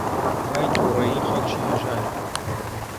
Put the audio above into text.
بای تووڕەیی خەڵکی هەژار